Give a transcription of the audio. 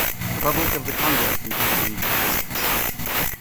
Republic of the Congo competed in gymnastics.